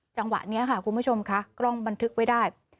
จังหวะนี้ค่ะคุณผู้ชมค่ะกล้องบันทึกไว้ได้